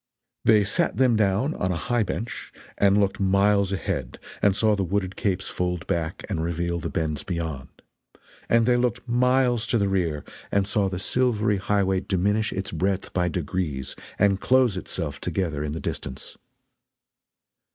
They sat them down on a high bench and looked miles ahead and saw the wooded capes fold back and reveal the bends beyond; and they looked miles to the rear and saw the silvery highway diminish its breadth by degrees and close itself together in the distance.